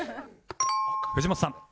藤本さん